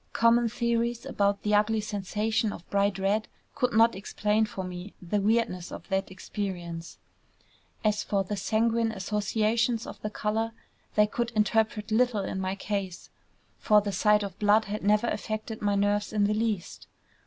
Common theories about the ugly sensation of bright red could not explain for me the weirdness of that experience. As for the sanguine associations of the color, they could interpret little in my case; for the sight of blood had never affected my nerves in the least.